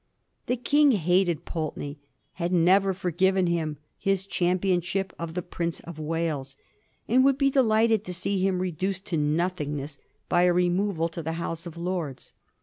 The King hated Pulteney — had never forgiven him his championship of the Prince of Wales — and would be delighted to see him reduced to nothingness by a removal to the House of Lords.